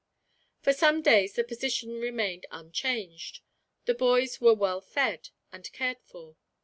For some days, the position remained unchanged. The boys were well fed, and cared for.